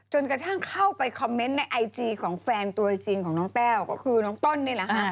กระทั่งเข้าไปคอมเมนต์ในไอจีของแฟนตัวจริงของน้องแต้วก็คือน้องต้นนี่แหละค่ะ